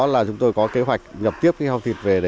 một mươi năm lợn thịt